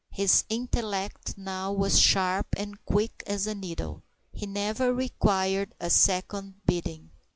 His intellect now was sharp and quick as a needle; he never required a second bidding.